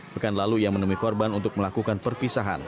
pekan lalu ia menemui korban untuk melakukan perpisahan